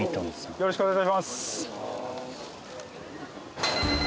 よろしくお願いします。